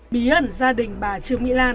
bí ẩn gia đình bà trường mỹ lan